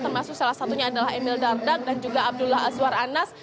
termasuk salah satunya adalah emil dardak dan juga abdullah azwar anas